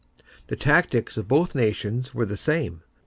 The tactics of both nations were the same.